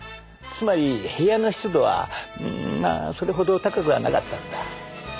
つまり部屋の湿度はんまあそれほど高くはなかったのだ。